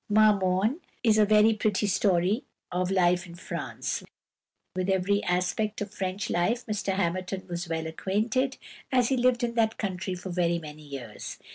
"Marmorne" is a very pretty story of life in France. With every aspect of French life Mr Hamerton was well acquainted, as he lived in that country for very many years.